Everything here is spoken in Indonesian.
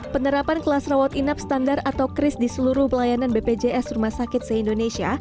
penerapan kelas rawat inap standar atau kris di seluruh pelayanan bpjs rumah sakit se indonesia